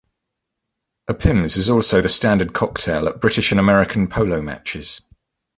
A Pimm's is also the standard cocktail at British and American polo matches.